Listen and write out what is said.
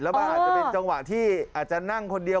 มันอาจจะเป็นจังหวะที่อาจจะนั่งคนเดียว